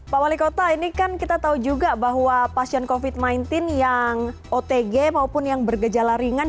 pak wali kota ini kan kita tahu juga bahwa pasien covid sembilan belas yang otg maupun yang bergejala ringan